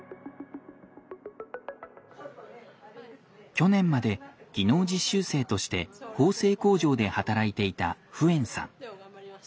去年まで技能実習生として縫製工場で働いていたフエンさん。